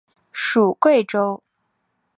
属桂州。